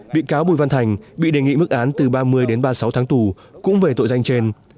bị cáo bùi văn thành bị đề nghị mức án từ ba mươi đến ba mươi sáu tháng tù cũng về tội danh trên